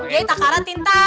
ya takara tinta